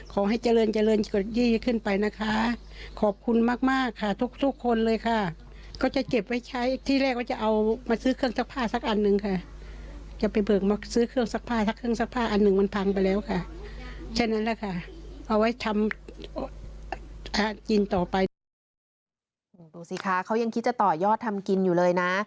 ดูสิคะเขายังคิดจะต่อยอดทำกินอยู่เลยนะ